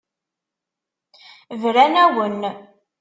Bran-awen.